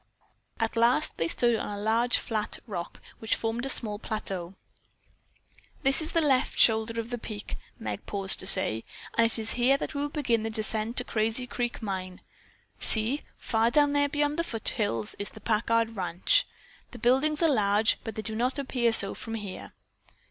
At last they stood on a large flat rock which formed a small plateau. "This is the left shoulder of the peak," Meg paused to say, "and it is here that we begin the descent to Crazy Creek mine. See, far down there beyond the foothills is the Packard ranch. The buildings are large, but they do not appear so from here."